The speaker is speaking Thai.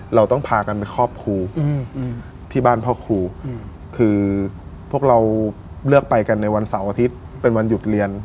เราต้องพากันไปครอบครูที่บ้านพ่อครูคือพวกเราเลือกไปกันในวันเสาร์อาทิตย์เป็นวันหยุดเรียน